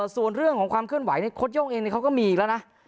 ส่วนเรื่องของความเคลื่อนไหวโค้ดโย่งเองเขาก็มีอีกแล้วนะ